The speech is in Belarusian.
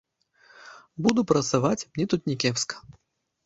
Буду працаваць, мне тут не кепска.